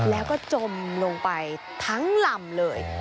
แล้วก็จมลงไปทั้งลำเลย